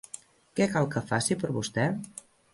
Què cal que faci per vostè?